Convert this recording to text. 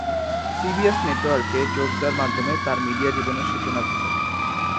CBS নেটওয়ার্কে যোগ দেয়ার মাধ্যমে তার মিডিয়া জীবনের সূচনা ঘটে।